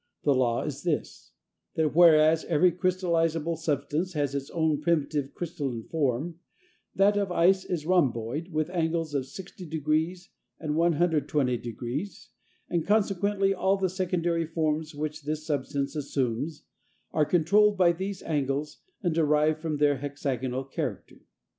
The law is this: that whereas every crystallizable substance has its own primitive crystalline form, that of ice is a rhomboid with angles of 60° and 120°, and consequently all the secondary forms which this substance assumes are controlled by these angles, and derive from them their hexagonal character.